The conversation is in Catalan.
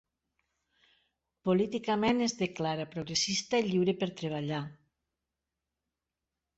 Políticament, es declara progressista i lliure per treballar.